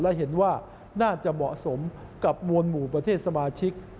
และเห็นว่าน่าจะเหมาะสมกับมวลหมู่ประเทศสมาชิก